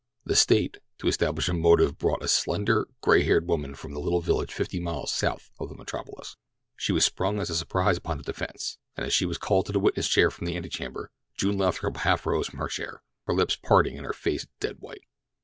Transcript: The State, to establish a motive brought a slender, gray haired woman from a little village fifty miles south of the metropolis. She was sprung as a surprise upon the defense, and as she was called to the witness chair from the antechamber, June Lathrop half rose from her chair—her lips parted and her face dead white.